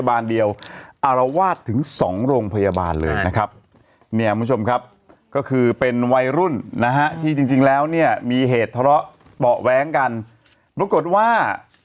บ๊วยทนามเก่งเนี้ยปล่อยแต่ล่ะ